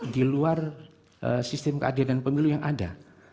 di luar sistem keadilan pemilu yang ada